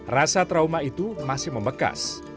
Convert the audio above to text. rasa trauma itu masih membekas